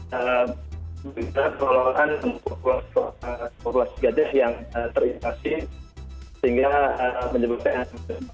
dari segala bagaimana pengelolaan konservasi gajah yang terinfeksi sehingga menyebutkan